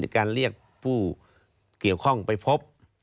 การเรียกผู้เกี่ยวข้องไปพบ